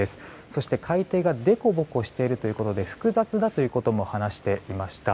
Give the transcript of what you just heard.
そして海底が凸凹しているということで複雑だとも話していました。